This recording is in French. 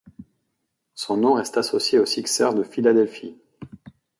Son nom reste associé aux Sixers de Philadelphie.